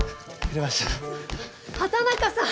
畠中さん！